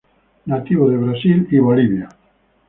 Nativo de Brasil y Bolivia.